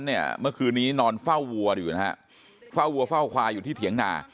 เนี่ยเมื่อคืนนี้นอนเฝ้าวัวอยู่นะฮะเฝ้าวัวเฝ้าควายอยู่ที่